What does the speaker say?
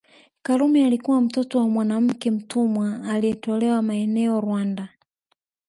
Karume alikuwa mtoto wa mwanamke mtumwa alietolewa maeneo Rwanda